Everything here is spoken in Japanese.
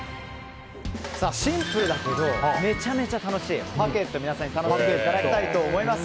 シンプルだけどめちゃめちゃ楽しいＰＵＣＫＥＴ、皆さんに楽しんでいただきたいと思います。